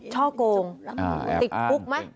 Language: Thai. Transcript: ติดคุกไหม